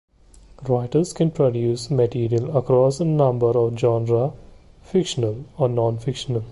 Writers can produce material across a number of genres, fictional or non-fictional.